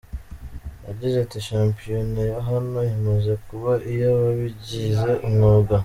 Yagize ati : “Shampiyona ya hano imaze kuba iy’ababigize umwuga.